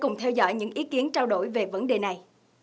chúng ta sẽ cùng theo dõi những ý kiến trao đổi về vấn đề này